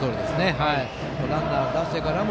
ランナー出してからも